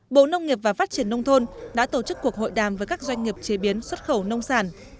bộ nông nghiệp và phát triển nông thôn đã tổ chức cuộc hội đàm với các doanh nghiệp chế biến xuất khẩu nông sản